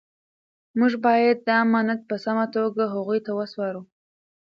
موږ باید دا امانت په سمه توګه هغوی ته وسپارو.